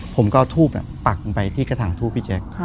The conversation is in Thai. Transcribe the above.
ผมก็เอาทูบปักลงไปที่กระถางทูบพี่แจ๊ค